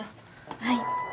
はい。